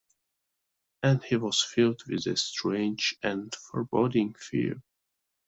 And he was filled with a strange and foreboding fear.